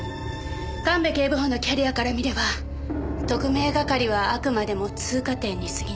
神戸警部補のキャリアから見れば特命係はあくまでも通過点に過ぎない。